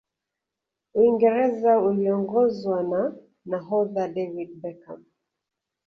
uingereza iliongozwa na nahodha david beckham